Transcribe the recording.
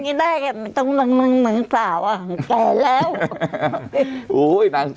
นางสาวอ่ะแกแล้ว